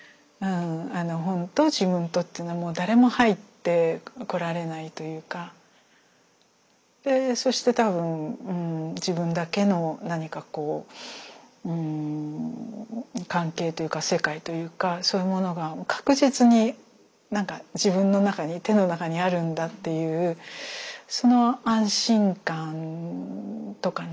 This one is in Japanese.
「本と自分と」っていうのはもう誰も入ってこられないというかそして多分自分だけの何かこううん関係というか世界というかそういうものが確実に自分の中に手の中にあるんだっていうその安心感とかね